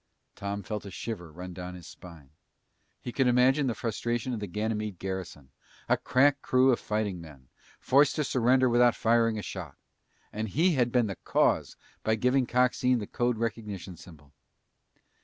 Tom felt a shiver run down his spine. He could imagine the frustration of the Ganymede garrison, a crack crew of fighting men, forced to surrender without firing a shot. And he had been the cause by giving Coxine the code recognition signal!